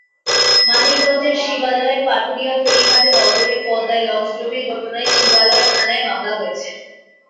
মানিকগঞ্জের শিবালয়ের পাটুরিয়া ফেরিঘাটের অদূরে পদ্মায় লঞ্চডুবির ঘটনায় শিবালয় থানায় মামলা হয়েছে।